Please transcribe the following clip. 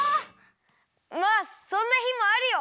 まあそんなひもあるよ。